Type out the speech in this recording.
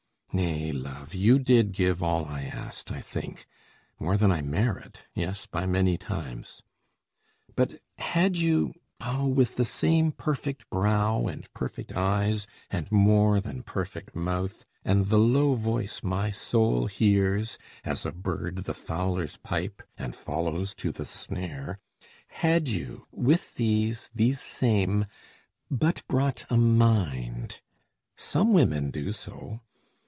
Nay, Love, you did give all I asked, I think More than I merit, yes, by many times. But had you oh, with the same perfect brow, And perfect eyes, and more than perfect mouth And the low voice my soul hears, as a bird The fowler's pipe, and follows to the snare Had you, with these, these same, but brought a mind! Some women do so.